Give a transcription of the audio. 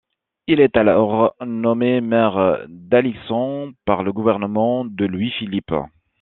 Il est alors nommé maire d'Alixan par le gouvernement de Louis-Philippe.